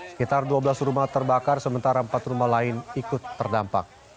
sekitar dua belas rumah terbakar sementara empat rumah lain ikut terdampak